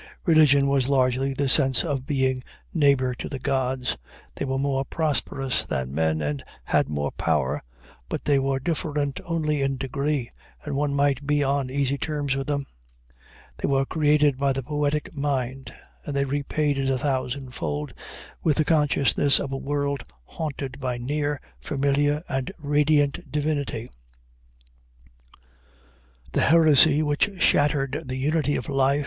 Religion was largely the sense of being neighbor to the gods; they were more prosperous than men and had more power, but they were different only in degree, and one might be on easy terms with them. They were created by the poetic mind, and they repaid it a thousand fold with the consciousness of a world haunted by near, familiar, and radiant divinity.